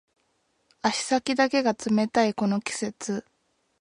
足先だけが冷たいこの季節